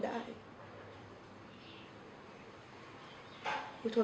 แล้วบอกว่าไม่รู้นะ